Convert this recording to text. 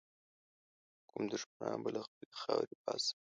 کوم دښمنان به له خپلي خاورې باسم.